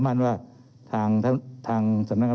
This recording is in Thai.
เรามีการปิดบันทึกจับกลุ่มเขาหรือหลังเกิดเหตุแล้วเนี่ย